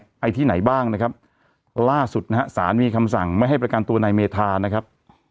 ไปที่ไหนบ้างนะครับล่าสุดนะฮะสารมีคำสั่งไม่ให้ประกันตัวนายเมธานะครับ